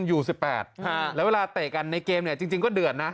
ยูสิบแปดฮะแล้วเวลาเตะกันในเกมเนี้ยจริงจริงก็เดือดน่ะ